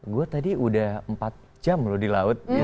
gue tadi udah empat jam loh di laut